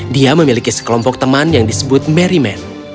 dia memiliki sekelompok teman yang disebut merry man